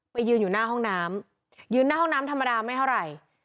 ยืนอยู่หน้าห้องน้ำยืนหน้าห้องน้ำธรรมดาไม่เท่าไหร่